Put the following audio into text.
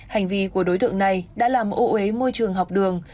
hành vi của đối tượng này đã làm ô ế môi trường học đường